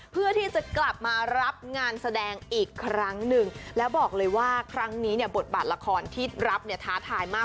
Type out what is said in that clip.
เพื่อที่จะกลับมารับงานแสดงอีกครั้งหนึ่งแล้วบอกเลยว่าครั้งนี้เนี่ยบทบาทละครที่รับเนี่ยท้าทายมาก